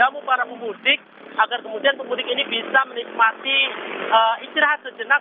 kamu para pemudik agar kemudian pemudik ini bisa menikmati istirahat sejenak